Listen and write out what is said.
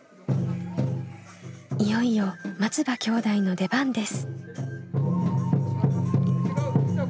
いよいよ松場兄弟の出番です。